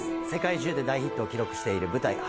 世界中で大ヒットを記録している舞台